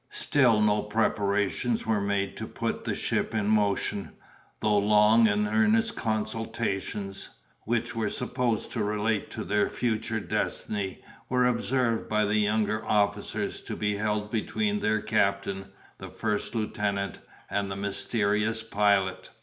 Still no preparations were made to put the ship in motion, though long and earnest consultations, which were supposed to relate to their future destiny, were observed by the younger officers to be held between their captain, the first lieutenant, and the mysterious Pilot.